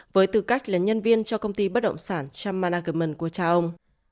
với tư cách là nhân viên cho công ty bất động sản trump management của cha ông